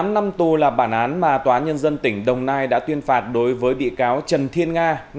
một mươi năm năm tù là bản án mà tòa án nhân dân tỉnh đồng nai đã tuyên phạt đối với bị cáo trần thiên nga